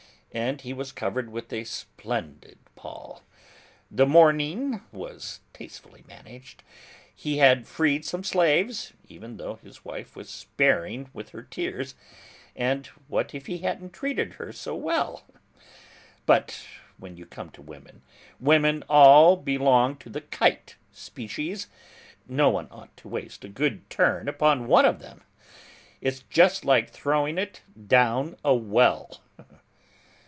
And he was covered with a splendid pall: the mourning was tastefully managed; he had freed some slaves; even though his wife was sparing with her tears: and what if he hadn't treated her so well! But when you come to women, women all belong to the kite species: no one ought to waste a good turn upon one of them; it's just like throwing it down a well!